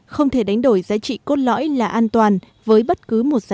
không thể đánh đổi giá trị cốt lõi là an toàn với bất cứ một dự án